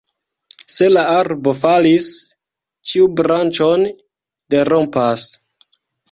Se la arbo falis, ĉiu branĉon derompas.